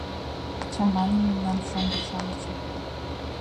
Чамане мемнам, шоҥго-шамычым!